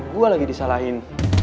gue lagi disalahin